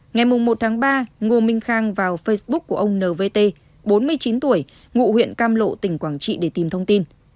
ngày một ba ngô minh khang vào facebook của ông n v t bốn mươi chín tuổi ngụ huyện cam lộ tỉnh quảng trị để tìm thông tin